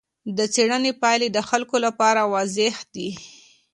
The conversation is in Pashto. د څېړنې پایلې د خلکو لپاره واضح دي.